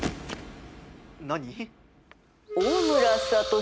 何？